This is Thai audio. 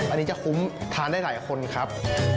อันนี้จะคุ้มทานได้หลายคนครับ